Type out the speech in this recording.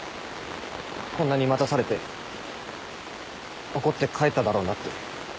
こんなに待たされて怒って帰っただろうなって。